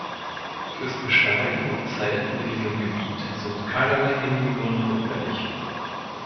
Fürs Besteigen und Zelten in diesem Gebiet sind keinerlei Genehmigungen notwendig.